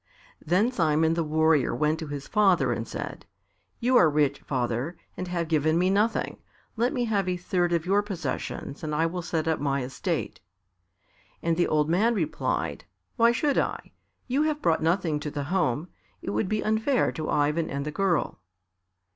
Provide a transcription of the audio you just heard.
Then Simon the Warrior went to his father and said, "You are rich, father; and have given me nothing, let me have a third of your possessions and I will set up my estate." And the old man replied, "Why should I? You have brought nothing to the home. It would be unfair to Ivan and the girl."